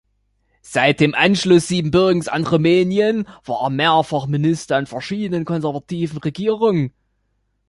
Seit dem Anschluss Siebenbürgens an Rumänien war er mehrfach Minister in verschiedenen konservativen Regierungen.